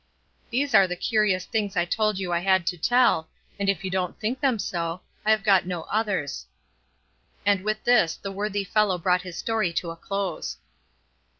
These are the curious things I told you I had to tell, and if you don't think them so, I have got no others;" and with this the worthy fellow brought his story to a close.